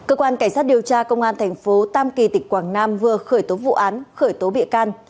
cơ quan cảnh sát điều tra công an thành phố tam kỳ tỉnh quảng nam vừa khởi tố vụ án khởi tố bị can